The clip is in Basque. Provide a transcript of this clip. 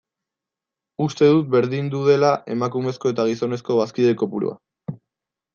Uste dut berdindu dela emakumezko eta gizonezko bazkide kopurua.